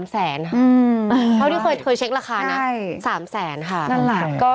๓แสนค่ะเพราะที่เคยเช็คราคานะ๓แสนค่ะ